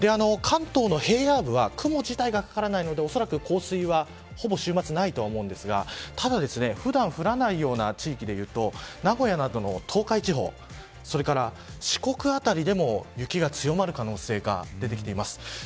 関東の平野部は雲自体がかからないのでおそらく降水はほぼ週末はないと思うんですがただ、普段降らないような地域で言うと名古屋などの東海地方それから四国辺りでも雪が強まる可能性が出てきています。